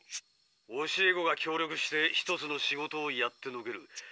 教え子が協力して一つの仕事をやってのける。